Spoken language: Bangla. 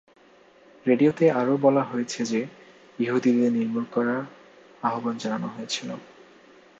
রেডিওতে আরও বলা হয়েছে যে ইহুদিদের নির্মূল করার আহ্বান জানানো হয়েছিল।